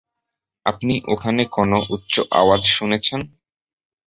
আপনি ওখানে কোন উচ্চ আওয়াজ শুনেছেন?